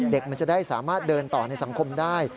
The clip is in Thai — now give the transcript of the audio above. มันจะได้สามารถเดินต่อในสังคมได้